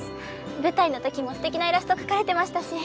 舞台のときもすてきなイラスト描かれてましたし。